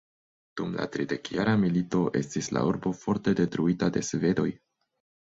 Dum la tridekjara milito estis la urbo forte detruita de svedoj.